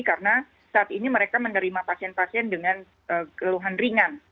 karena saat ini mereka menerima pasien pasien dengan keluhan ringan